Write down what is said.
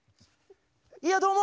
いやどうも！